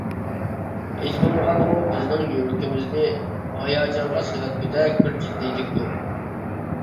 ھېچ بولمىغاندىمۇ بىزنىڭ يۈرىكىمىزنى ھاياجانغا سېلىۋەتكۈدەك بىر جىددىيلىك يوق.